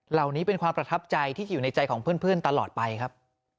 เหล่านี้เป็นความประทับใจที่อยู่ในใจของเพื่อนตลอดไปครับ